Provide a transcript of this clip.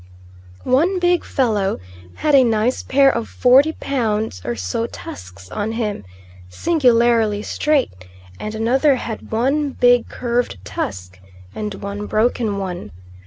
One big fellow had a nice pair of 40 lb. or so tusks on him, singularly straight, and another had one big curved tusk and one broken one.